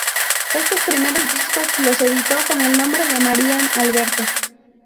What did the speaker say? Estos primeros discos los editó con el nombre de Marian Albero.